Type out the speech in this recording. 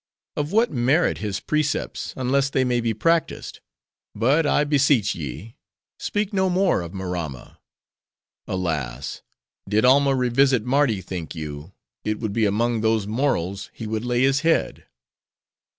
of what merit, his precepts, unless they may be practiced? But, I beseech ye, speak no more of Maramma. Alas! did Alma revisit Mardi, think you, it would be among those Morals he would lay his head?"